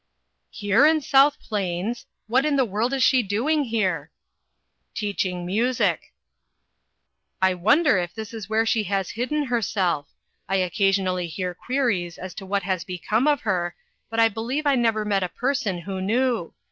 " Here in South Plains ! What in the world is she doing here ?"" Teaching music." " I wonder if this is where she has hid den herself ! I occasionally hear queries as to what has become of her, but I believe I never met a person who knew.